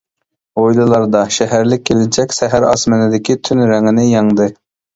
ھويلىلاردا. شەھەرلىك كېلىنچەك سەھەر ئاسماندىكى تۈن رېڭىنى يەڭدى.